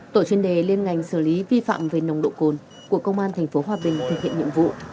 tổ chuyên đề liên ngành xử lý vi phạm về nồng độ cồn của công an tp hòa bình thực hiện nhiệm vụ